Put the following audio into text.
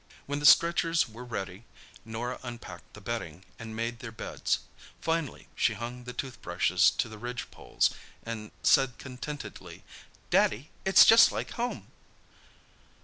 When the stretchers were ready Norah unpacked the bedding and made their beds. Finally she hung the tooth brushes to the ridge poles and said contentedly, "Daddy, it's just like home!"